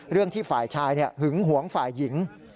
ที่ฝ่ายชายหึงหวงฝ่ายหญิง